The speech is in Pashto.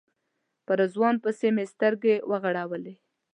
په رضوان پسې مې سترګې وغړولې.